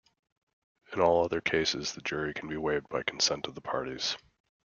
In all other cases, the jury can be waived by consent of the parties.